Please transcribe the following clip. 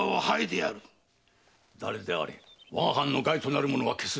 誰であれ我が藩の害となる者は消す。